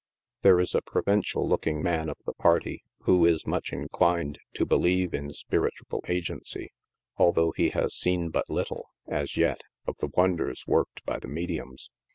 There is a provincial looking man of the party, who i3 much inclined to believe in spiritual agency, although he has seen but little, as yet, of the wonders worked by the mediums.